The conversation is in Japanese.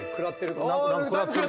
食らってる。